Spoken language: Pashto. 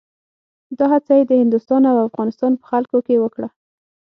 دا هڅه یې د هندوستان او افغانستان په خلکو کې وکړه.